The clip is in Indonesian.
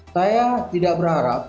saya tidak berharap